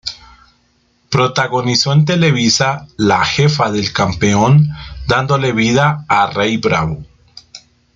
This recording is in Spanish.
Protagonizó en Televisa "La jefa del campeón" dándole vida a Rey Bravo.